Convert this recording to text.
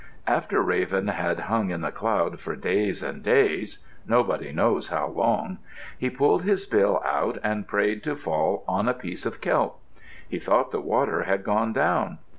After Raven had hung in the cloud for days and days nobody knows how long he pulled his bill out and prayed to fall on a piece of kelp. He thought the water had gone down.